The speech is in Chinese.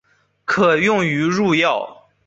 可用于入药。